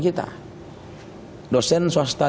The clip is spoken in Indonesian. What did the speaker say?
kita inginharakan semuanya dokter